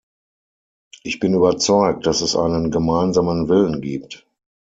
Ich bin überzeugt, dass es einen gemeinsamen Willen gibt.